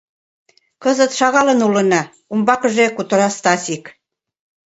— Кызыт шагалын улына, — умбакыже кутыра Стасик.